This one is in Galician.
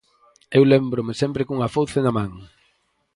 Eu lémbrome sempre cunha fouce na man.